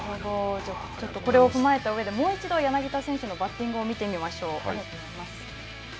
ちょっとこれを踏まえた上で、もう一度柳田選手のバッティングを見てみましょう。